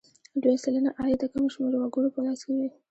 لویه سلنه عاید د کم شمېر وګړو په لاس کې وي.